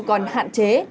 còn hạn chế